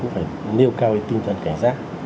phải nêu cao tinh thần cảnh giác